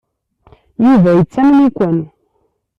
Yuba yettamen-iken.